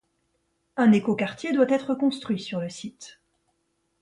Un écoquartier doit être construit sur le site.